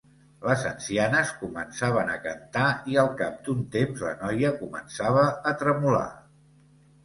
Les ancianes començaven a cantar i al cap d'un temps la noia començava a tremolar.